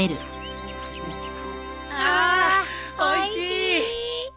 あおいしい！